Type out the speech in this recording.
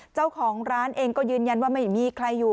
เจ้าของร้านเองก็ยืนยันว่าไม่มีใครอยู่